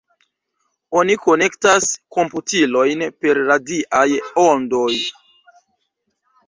Oni konektas komputilojn per radiaj ondoj.